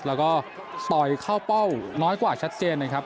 แล้วก็ต่อยเข้าเป้าน้อยกว่าชัดเจนนะครับ